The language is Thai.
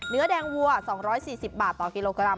เนื้อแดงวัว๒๔๐บาทต่อกิโลกรัม